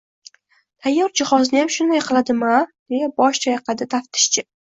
— Tayyor jihozniyam shunday qiladimi-a? — deya bosh chayqadi taftishchi.